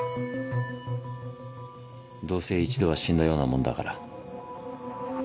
どうせ１度は死んだようなもんだから。